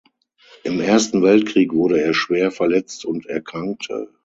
Im Ersten Weltkrieg wurde er schwer verletzt und erkrankte.